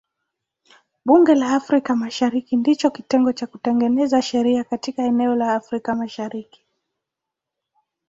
Bunge la Afrika Mashariki ndicho kitengo cha kutengeneza sheria katika eneo la Afrika Mashariki.